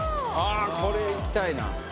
あこれ行きたいな